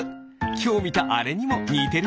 きょうみたあれにもにてる。